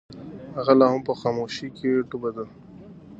هغه لا هم په خاموشۍ کې ډوبه ده.